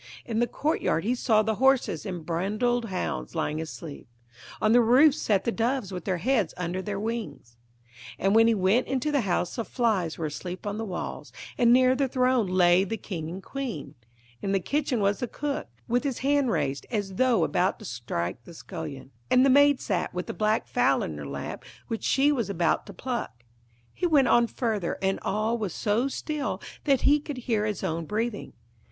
In the courtyard he saw the horses and brindled hounds lying asleep, on the roof sat the doves with their heads under their wings: and when he went into the house the flies were asleep on the walls, and near the throne lay the King and Queen; in the kitchen was the cook, with his hand raised as though about to strike the scullion, and the maid sat with the black fowl in her lap which she was about to pluck. He went on further, and all was so still that he could hear his own breathing.